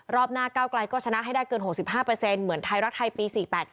รอบหน้าก้าวไกลก็ชนะให้ได้เกิน๖๕เหมือนไทยรักไทยปี๔๘๔